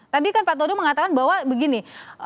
tadi kan pak todo mengatakan bahwa begini